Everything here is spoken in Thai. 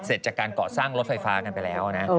จากการก่อสร้างรถไฟฟ้ากันไปแล้วนะ